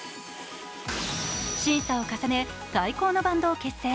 審査を重ね、最高のバンドを結成。